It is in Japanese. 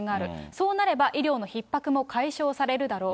そうなれば、医療のひっ迫も解消されるだろう。